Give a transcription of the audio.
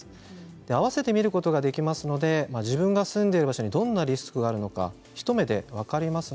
合わせて見ることができるので自分が住んでいる場所にどんなリスクがあるのか一目で分かります。